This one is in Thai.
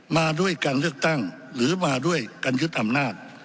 มาด้วยการเลือกตั้งหรือมาด้วยการยึดอำนาจ